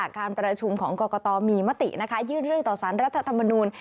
การประชุมของกรกตมีมติยื่นเรื่องต่อสารรัฐธรรมนูล